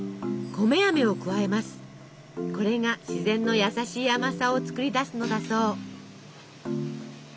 これが自然の優しい甘さを作り出すのだそう。